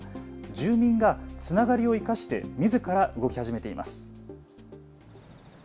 住民がつながりを生かしてみずから動き始めています。